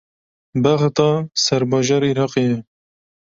Bexda serbajarê Iraqê ye.